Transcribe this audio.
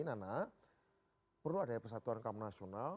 karena perlu ada persatuan kamu nasional